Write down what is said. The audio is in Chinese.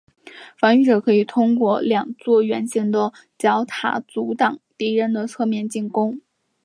防御者可以通过两座圆形的角塔阻挡敌人的侧面进攻。